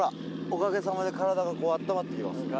おかげさまで体があったまってきます。